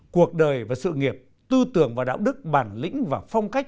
cuộc đời và sự nghiệp tư tưởng và đạo đức bản lĩnh và phong cách